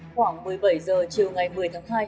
khoảng một mươi bảy h chiều ngày một mươi tháng hai